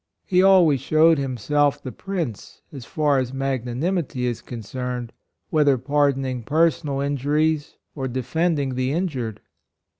He always showed himself the Prince, as far as magnanimity is concerned, whether pardoning personal injuries or de fending the injured.